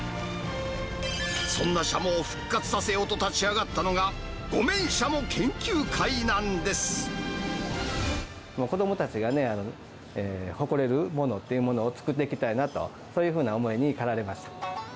そんなシャモを復活させようと立ち上がったのが、ごめんシャモ研子どもたちがね、誇れるものっていうものを作っていきたいなと、そういうふうな思いに駆られました。